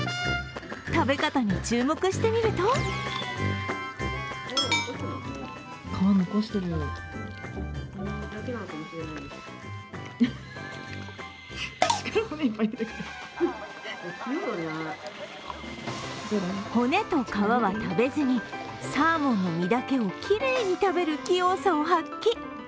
食べ方に注目してみると骨と皮は食べずに、サーモンの身だけをきれいに食べる器用さを発揮。